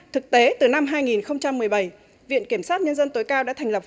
thực tế từ năm hai nghìn một mươi bảy viện kiểm sát nhân dân tối cao đã thành lập